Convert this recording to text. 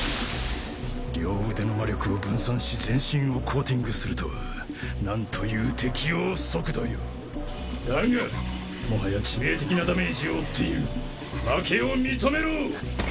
両腕の魔力を分散し全身をコーティングするとは何という適応速度よだがもはや致命的なダメージを負っている負けを認めろ！